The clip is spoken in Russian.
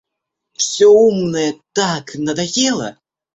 Всё умное так надоело...